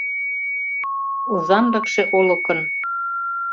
Озанлыкше Олыкын